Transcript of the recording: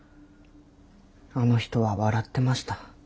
あの人は笑ってました。